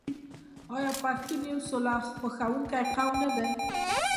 آیا پښتون یو سوله خوښوونکی قوم نه دی؟